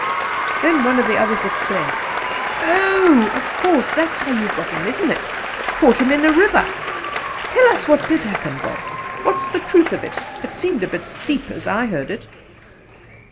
'" Then one of the others exclaimed: "Oh! Of course, that's how you got him, isn't it: caught him in a river? Tell us what did happen, Bob. What's the truth of it? It seemed a bit steep as I heard it."